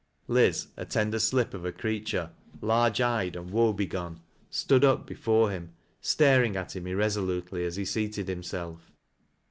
Liz, a slender slip of a creatui'e, large eyed, and woe begone, stood up before him, staring at him irresolutely as he seated himself.